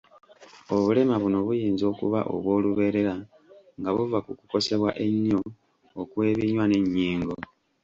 Obulema buno buyinza okuba obw’olubeerera nga buva ku kukosebwa ennyo okw’ebinywa n’ennyingo.